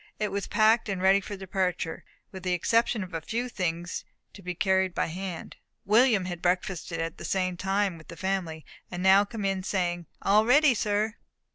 It was packed, and ready for departure, with the exception of a few things to be carried by hand. William had breakfasted at the same time with the family, and now came in, saying, "All ready, sir."